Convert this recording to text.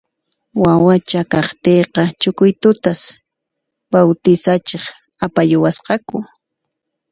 Wawacha kaqtiyqa Chucuitutas bawtisachiq apayuwasqaku